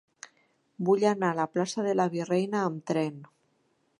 Vull anar a la plaça de la Virreina amb tren.